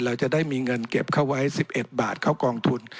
เราจะได้มีเงินเก็บเข้าไว้๑๑บาทเข้ากองทุน